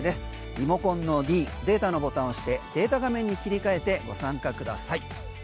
リモコンのｄデータのボタンを押してデータ画面に切り替えてご参加ください。